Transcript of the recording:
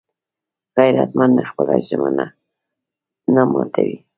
غیرتمند خپله ژمنه نه ماتوي